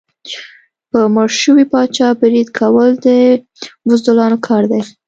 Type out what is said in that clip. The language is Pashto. په مړ شوي پاچا برید کول د بزدلانو کار دی.